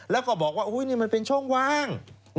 แล้วก็บอกว่านี่มันเป็นช่องว่าง